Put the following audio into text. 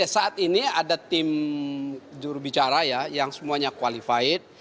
saat ini ada tim jurubicara ya yang semuanya qualified